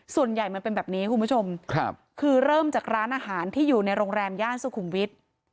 มันเป็นแบบนี้คุณผู้ชมคือเริ่มจากร้านอาหารที่อยู่ในโรงแรมย่านสุขุมวิทย์